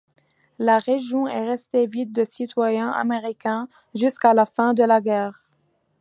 La région est restée vide de citoyens américains jusqu’à la fin de la guerre.